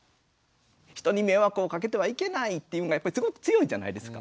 人に迷惑をかけてはいけないっていうのがすごく強いじゃないですか。